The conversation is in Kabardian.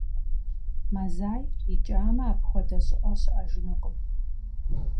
Мазаер икӀамэ, апхуэдэ щӀыӀэ щыӀэжынукъым.